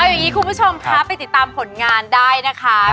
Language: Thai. อย่างนี้คุณผู้ชมคะไปติดตามผลงานได้นะคะ